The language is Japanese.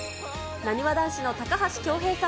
なにわ男子の高橋恭平さん